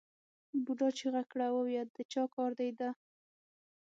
بوډا چیغه کړه ووایه د چا کار دی دا؟